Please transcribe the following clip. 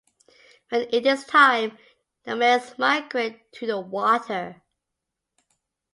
When it is time, the males migrate to the water.